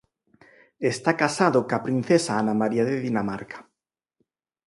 Está casado coa princesa Ana María de Dinamarca.